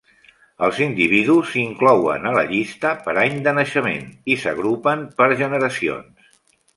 Els individus s'inclouen a la llista per any de naixement i s'agrupen per generacions.